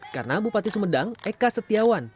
karena bupati sumedang eka setiawan